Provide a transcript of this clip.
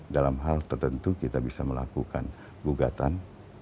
dalam hal tertentu kita bisa melakukan gugatan